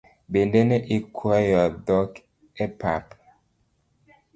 Bende ne ikwayo dhok e pap?